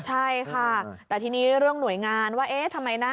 ใช่ค่ะแต่ทีนี้เรื่องหน่วยงานว่าเอ๊ะทำไมนะ